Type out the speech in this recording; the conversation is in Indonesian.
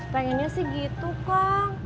pengennya sih gitu kang